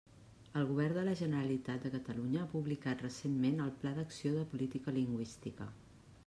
El Govern de la Generalitat de Catalunya ha publicat, recentment, el Pla d'Acció de Política Lingüística.